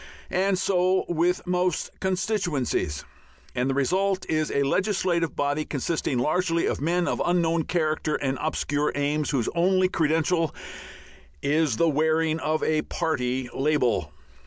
And so with most constituencies, and the result is a legislative body consisting largely of men of unknown character and obscure aims, whose only credential is the wearing of a party label.